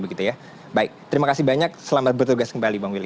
baik terima kasih banyak selamat bertugas kembali bang will